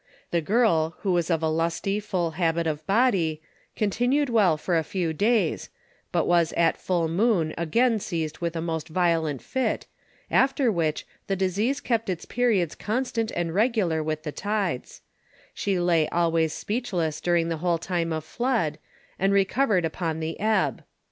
The Girl, who was of a lusty full habit of Body, continued well for a few days, but was at Full Moon again seized with a most violent Fit, after which, the Disease kept its Periods constant and regular with the Tides; She lay always Speechless during the whole time of Flood, and Recovered upon the Ebb.